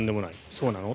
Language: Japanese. そうなの？